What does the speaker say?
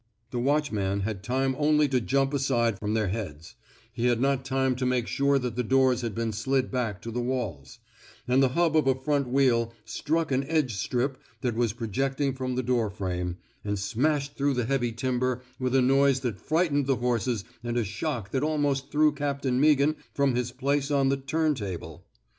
The watchman had time only to jump aside from their heads ; he had not time to make sure that the doors had been slid back to the walls; and the hub of a front wheel struck an edge strip that was projecting from the door frame, and smashed through the heavy timber with a noise that fright ened the horses and a shock that almost threw Captain Meaghan from his place on the '* turntable."